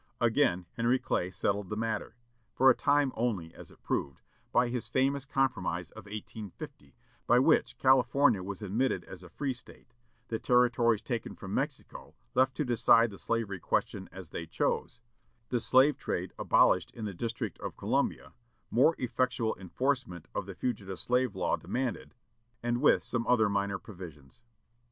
Again Henry Clay settled the matter, for a time only, as it proved, by his famous Compromise of 1850, by which California was admitted as a free State, the Territories taken from Mexico left to decide the slavery question as they chose, the slave trade abolished in the District of Columbia, more effectual enforcement of the Fugitive Slave Law demanded, with some other minor provisions.